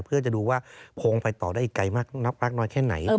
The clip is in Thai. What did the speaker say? เพื่อจะดูว่าคงไปต่อได้ไกลมากน้อยแค่ไหน